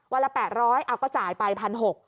ละ๘๐๐เอาก็จ่ายไป๑๖๐๐บาท